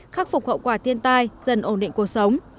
khắc phục khẩu quả tiên tai dần ổn định cuộc sống